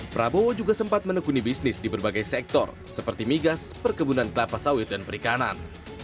prabowo juga sempat menekuni bisnis di berbagai sektor seperti migas perkebunan kelapa sawit dan perikanan